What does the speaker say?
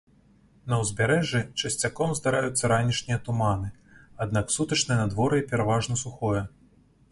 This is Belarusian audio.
На ўзбярэжжы часцяком здараюцца ранішнія туманы, аднак сутачнае надвор'е пераважна сухое.